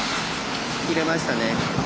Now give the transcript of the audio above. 切れましたね。